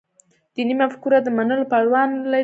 دیني مفکورو د منلو پروا لري.